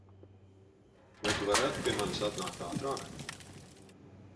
Vai Tu varētu pie manis atnākt ātrāk?